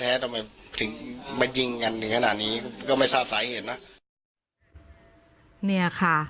ทำไมถึงมายิงกันถึงขนาดนี้ก็ไม่ทราบสาเหตุนะเนี่ยค่ะ